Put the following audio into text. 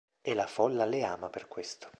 E la folla le ama per questo.